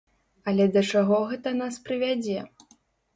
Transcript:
Але да чаго гэта нас прывядзе?